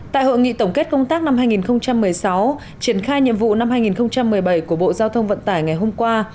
tại hội nghị tổng kết công tác năm hai nghìn một mươi sáu triển khai nhiệm vụ năm hai nghìn một mươi bảy của bộ giao thông vận tải ngày hôm qua